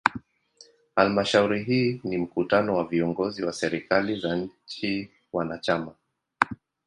Halmashauri hii ni mkutano wa viongozi wa serikali za nchi wanachama.